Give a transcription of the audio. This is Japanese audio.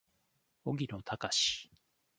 荻野貴司